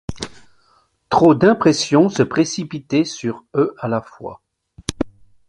Trop d’impressions se précipitaient sur eux à la fois.